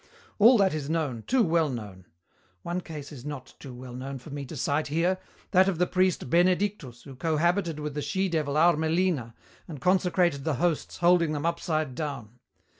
All that is known, too well known. One case is not too well known for me to cite here: that of the priest Benedictus who cohabited with the she devil Armellina and consecrated the hosts holding them upside down.